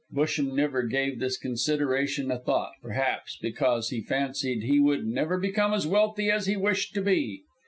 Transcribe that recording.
Busham never gave this consideration a thought, perhaps because he fancied he would never become as wealthy as he wished to be.